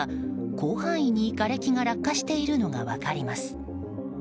広範囲に、がれきが落下しているのが分かります。